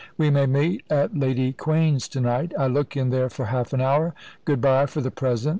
We may meet at Lady Quain's to night I look in there for half an hour. Good bye for the present.